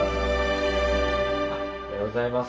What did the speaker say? おはようございます。